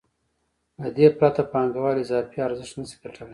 له دې پرته پانګوال اضافي ارزښت نشي ګټلی